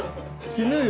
死ぬよ。